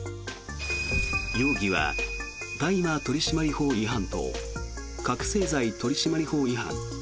容疑は大麻取締法違反と覚せい剤取締法違反。